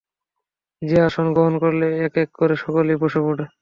সে আসন গ্রহণ করলে এক এক করে সকলেই বসে পড়ে।